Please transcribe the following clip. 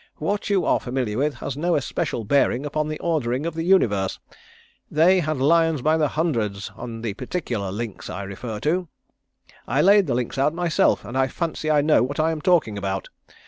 What you are familiar with has no especial bearing upon the ordering of the Universe. They had lions by the hundreds on the particular links I refer to. I laid the links out myself and I fancy I know what I am talking about.